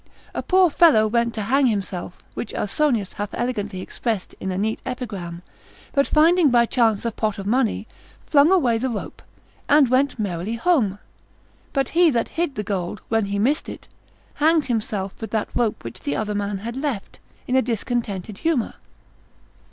A poor fellow went to hang himself, (which Ausonius hath elegantly expressed in a neat Epigram) but finding by chance a pot of money, flung away the rope, and went merrily home, but he that hid the gold, when he missed it, hanged himself with that rope which the other man had left, in a discontented humour.